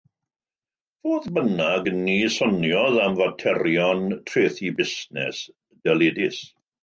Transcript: Fodd bynnag, ni soniodd am faterion trethu busnes dyledus.